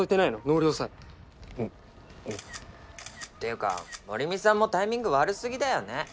納涼祭おおうっていうか守見さんもタイミング悪すぎだよね